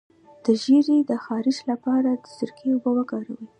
د زیړي د خارښ لپاره د سرکې اوبه وکاروئ